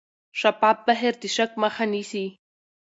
شفاف بهیر د شک مخه نیسي.